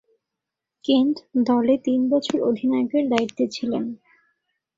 Kent দলে তিন বছর অধিনায়কের দায়িত্বে ছিলেন।